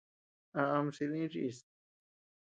¿A am silï chíʼs.